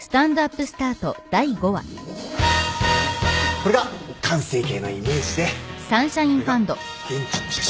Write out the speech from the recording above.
これが完成形のイメージでこれが現地の写真。